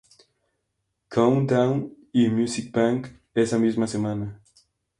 Countdown", y "Music Bank" esa misma semana.